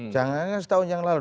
jangan kan setahun yang lalu